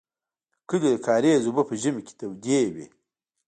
د کلي د کاریز اوبه په ژمي کې تودې وې.